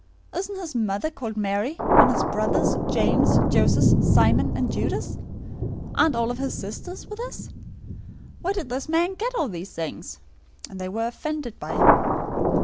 Isn't his mother called Mary, and his brothers, James, Joses, Simon, and Judas{or, Judah}? 013:056 Aren't all of his sisters with us? Where then did this man get all of these things?" 013:057 They were offended by him.